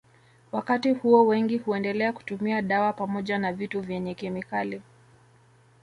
Wakati huo wengi huendelea kutumia dawa pamoja na vitu vyenye kemikali